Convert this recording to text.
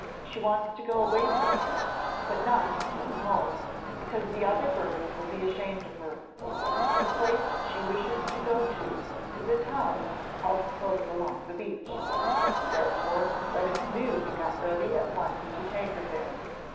'She wants to go away from here, but not to her home, because the other birds will be ashamed of her. The place she wishes to go to is a town called Close along the beach. Therefore, let a canoe be got ready at once to take her there.'